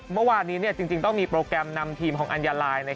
เมื่อวานนี้จริงต้องมีโปรแกรมนำทีมของอัญญาลาย